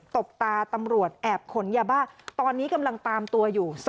บตาตำรวจแอบขนยาบ้าตอนนี้กำลังตามตัวอยู่